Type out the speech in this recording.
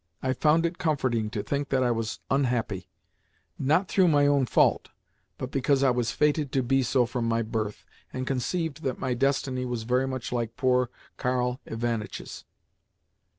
I found it comforting to think that I was unhappy, not through my own fault, but because I was fated to be so from my birth, and conceived that my destiny was very much like poor Karl Ivanitch's.